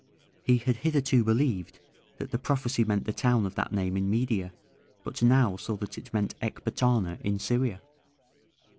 He had hitherto believed that the prophecy meant the town of that name in Media, but now saw that it meant Ecbatana in Syria.